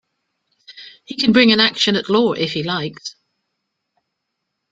He can bring an action at law if he likes.